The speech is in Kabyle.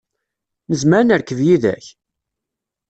Nezmer ad nerkeb yid-k?